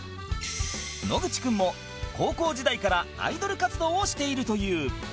野口君も高校時代からアイドル活動をしているという